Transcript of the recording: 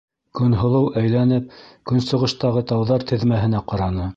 Көнһылыу, әйләнеп, көнсығыштағы тауҙар теҙмәһенә ҡараны.